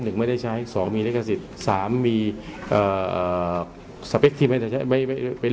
ไม่ได้ใช้สองมีลิขสิทธิ์สามมีเอ่อสเปคที่ไม่ได้ใช้ไม่ไม่เป็น